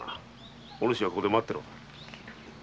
お主はここで待っていろ。